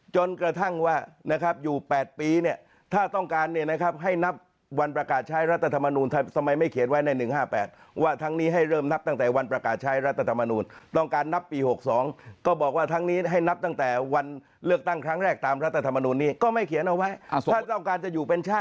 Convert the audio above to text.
จนกระทั่งว่านะครับอยู่๘ปีเนี่ยถ้าต้องการเนี่ยนะครับให้นับวันประกาศใช้รัฐธรรมนูลทำไมไม่เขียนไว้ใน๑๕๘ว่าทั้งนี้ให้เริ่มนับตั้งแต่วันประกาศใช้รัฐธรรมนูลต้องการนับปี๖๒ก็บอกว่าทั้งนี้ให้นับตั้งแต่วันเลือกตั้งครั้งแรกตามรัฐธรรมนูลนี้ก็ไม่เขียนเอาไว้ถ้าต้องการจะอยู่เป็นช